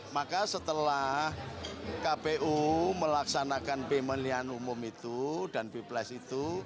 maka setelah kpu melaksanakan pemilihan umum itu dan pilpres itu